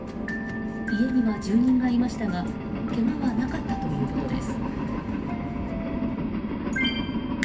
家には住人がいましたがけがはなかったということです。